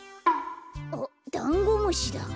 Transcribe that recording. おっダンゴムシだ。